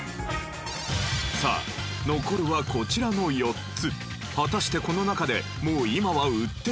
さあ残るはこちらの４つ。